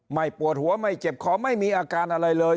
ปวดหัวไม่เจ็บคอไม่มีอาการอะไรเลย